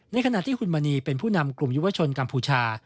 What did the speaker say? ขณะที่หุ่นมณีเป็นผู้นำกลุ่มยุวชนกัมพูชา